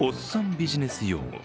ビジネス用語